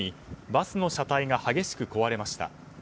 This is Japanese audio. バスの車体が激しく壊れました。